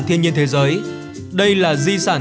thiên nhiên thế giới đây là di sản